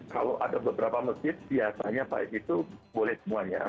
kalau ada beberapa masjid biasanya baik itu boleh semuanya